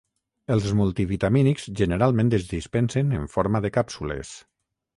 Els multivitamínics generalment es dispensen en forma de càpsules.